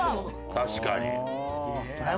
確かに。